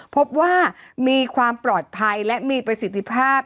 พบว่ามีความปลอดภัยและมีประสิทธิภาพ